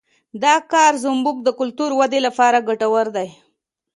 دا کار زموږ د کلتوري ودې لپاره ګټور دی